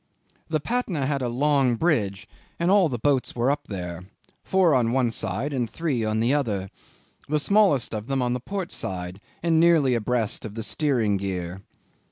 'The Patna had a long bridge, and all the boats were up there, four on one side and three on the other the smallest of them on the port side and nearly abreast of the steering gear.